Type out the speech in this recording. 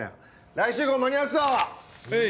来週号間に合わすぞ！